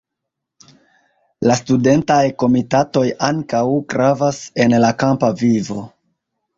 La studentaj komitatoj ankaŭ gravas en la kampa vivo.